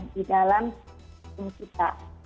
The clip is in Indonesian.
di dalam hukum kita